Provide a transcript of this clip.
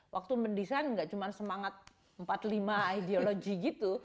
waktu mendesain gak cuma semangat empat puluh lima ideologi gitu